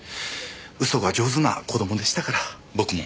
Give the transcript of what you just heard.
嘘が上手な子供でしたから僕も。